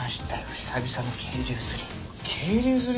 久々の渓流釣り。